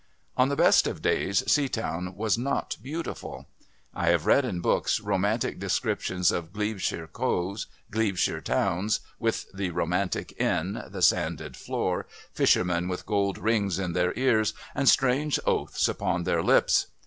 On the best of days Seatown was not beautiful. I have read in books romantic descriptions of Glebeshire coves, Glebeshire towns with the romantic Inn, the sanded floor, fishermen with gold rings in their ears and strange oaths upon their lips.